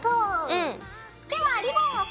うん。